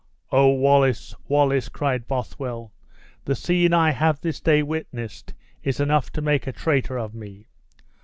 "Oh, Wallace! Wallace!" cried Bothwell, "the scene I have this day witnessed is enough to make a traitor of me.